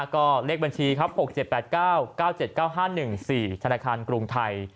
ก็เลขบัญชีครับ๖๗๘๙๙๗๙๕๑๔ธนาคารกรุงไทย